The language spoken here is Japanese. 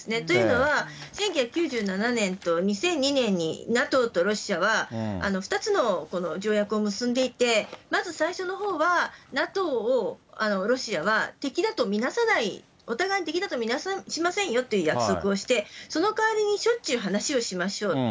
というのは、１９９７年と２００２年に、ＮＡＴＯとロシアは、２つの条約を結んでいて、まず最初のほうは、ＮＡＴＯをロシアは敵だと見なさない、お互い敵だと見なしませんよという約束をして、そのかわりにしょっちゅう話をしましょう。